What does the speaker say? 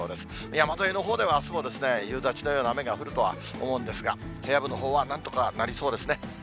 山沿いのほうでは、あすも夕立のような雨が降るとは思うんですが、平野部のほうは、なんとかなりそうですね。